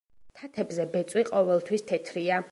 თათებზე ბეწვი ყოველთვის თეთრია.